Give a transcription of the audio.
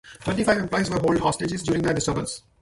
Twenty-five employees were held hostage during the disturbance.